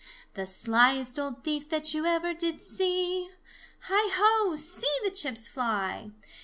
The sliest old thief that you ever did see; Hi, ho, see the chips fly!